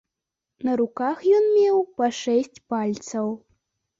На руках ён меў па шэсць пальцаў.